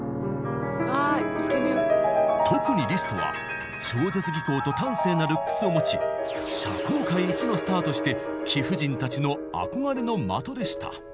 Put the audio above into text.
特にリストは超絶技巧と端正なルックスを持ち社交界一のスターとして貴婦人たちの憧れの的でした。